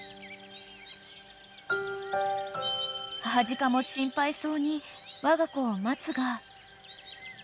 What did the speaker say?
［母鹿も心配そうにわが子を待つが］